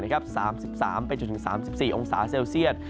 ๓๓๓๔องศาเซลเซียต